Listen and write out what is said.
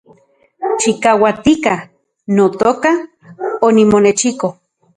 Chikauatika, notoka , onimonechiko